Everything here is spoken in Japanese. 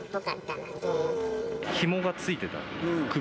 ひもがついてた？